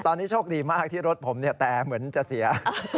ตอนนี้โชคดีมากที่รถผมแต่เหมือนจะเสีย